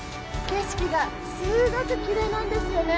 景色が、すごくきれいなんですよね。